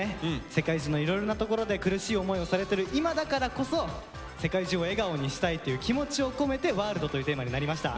世界中のいろいろな所で苦しい思いをされてる今だからこそ世界中を笑顔にしたいという気持ちを込めて「ＷＯＲＬＤ」というテーマになりました。